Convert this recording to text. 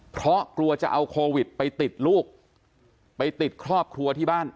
เพราะกลัวจะเอาโควิดไปติดลูกไปติดครอบครัวที่บ้าน